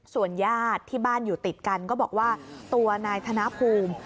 ส่วนญาติที่บ้านอยู่ติดกันก็บอกว่าตัวนายธนภูมิ